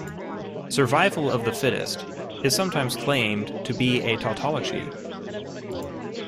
"Survival of the fittest" is sometimes claimed to be a tautology.